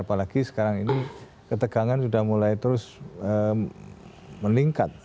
apalagi sekarang ini ketegangan sudah mulai terus meningkat